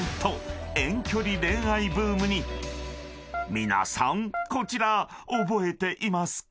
［皆さんこちら覚えていますか？］